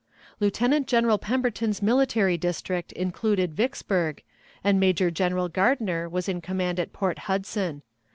Lieutenant General Pemberton's military district included Vicksburg, and Major General Gardner was in command at Port Hudson.